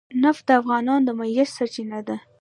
نفت د افغانانو د معیشت سرچینه ده.